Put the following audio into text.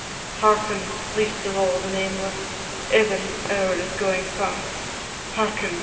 Hearken! least of all the nameless; Evan's hour is going fast; Hearken!